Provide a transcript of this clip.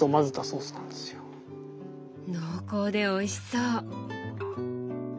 濃厚でおいしそう。